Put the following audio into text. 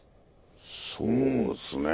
そうっすね